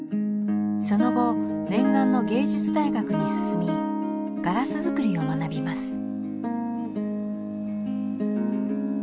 その後念願の芸術大学に進みガラスづくりを学びます。